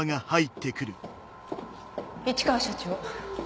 市川社長。